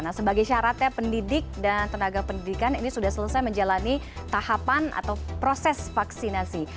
nah sebagai syaratnya pendidik dan tenaga pendidikan ini sudah selesai menjalani tahapan atau proses vaksinasi